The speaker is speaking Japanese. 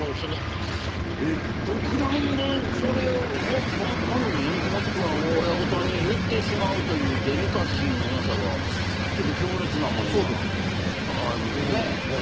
独断でそれを本人、もしくは親に言ってしまうというデリカシーのなさはちょっと強烈なものがあるね。